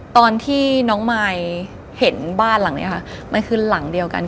ตอนที่น้องมายเห็นบ้านหลังนี้ค่ะมันคือหลังเดียวกัน